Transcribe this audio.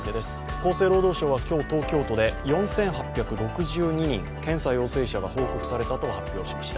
厚生労働省は今日、東京都で４８６２人、検査陽性者が報告されたと発表しました。